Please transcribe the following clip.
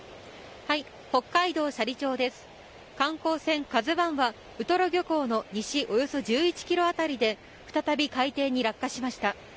観光船「ＫＡＺＵ１」はウトロ漁港の西およそ１１ｋｍ当たりで再び海底に落下しました。